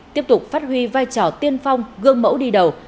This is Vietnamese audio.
tiếp tục phát huy vai trò tiên phong gương mẫu đi đầu